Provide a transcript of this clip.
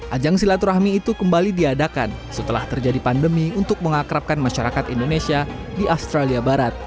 ajang silaturahmi itu kembali diadakan setelah terjadi pandemi untuk mengakrabkan masyarakat indonesia di australia barat